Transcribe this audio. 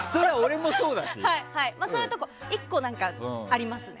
１個そういうところありますね。